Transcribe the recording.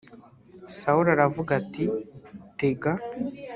sawuli aravuga ati tega